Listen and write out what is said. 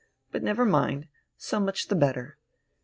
But never mind, so much the better.